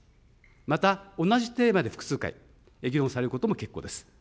また同じテーマで複数回議論されることも結構です。